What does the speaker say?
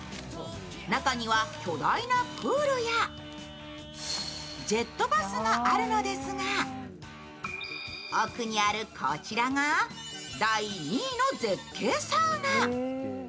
中には巨大なプールやジェットバスがあるのですが、奥にあるこちらが第２位の絶景サウナ。